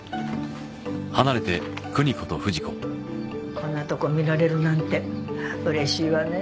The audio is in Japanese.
こんなとこ見られるなんてうれしいわね